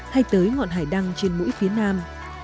hay tới ngọn hải đăng trên mũi phía nam